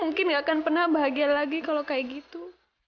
mungkin gak akan pernah bahagia lagi kalau kayak gitu